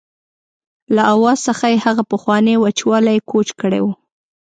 له آواز څخه یې هغه پخوانی وچوالی کوچ کړی و.